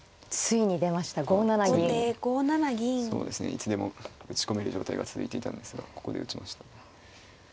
いつでも打ち込める状態が続いていたんですがここで打ちましたね。